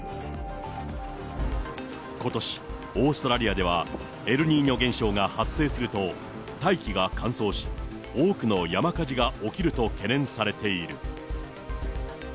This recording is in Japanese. ことし、オーストラリアではエルニーニョ現象が発生すると、大気が乾燥し、多くの山火事が起きると懸念されている。